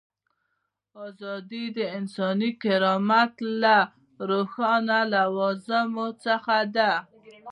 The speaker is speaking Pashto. ازادي د انساني کرامت له روښانه لوازمو څخه ده.